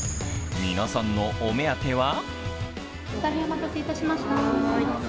皆さんのお目当ては？